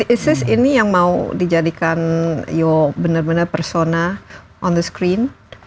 is this ini yang mau dijadikan your bener bener persona on the screen